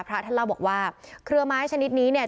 พระท่านเล่าบอกว่าเครือไม้ชนิดนี้เนี่ย